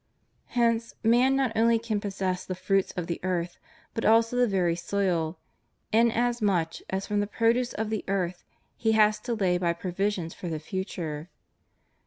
Hence man not only can possess the fruits of the earth, but also the very soil, inasmuch as from the produce of the earth he has to lay by provision for the future.